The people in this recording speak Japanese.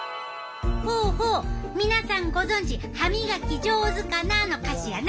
ほうほう皆さんご存じ「はみがきじょうずかな」の歌詞やな。